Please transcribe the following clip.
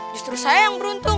justru saya yang beruntung